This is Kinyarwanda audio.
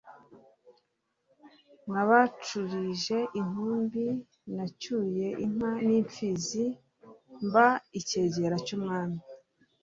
nabaculije inkumbi nacyuye inka n'imfizi, mba icyegera cy'umwami.